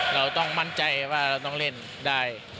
เราต้องมั่นใจว่าเราต้องเล่นได้